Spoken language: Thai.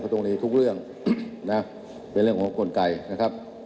ตรงนี้ทุกเรื่องนะเป็นเรื่องของกลไกนะครับ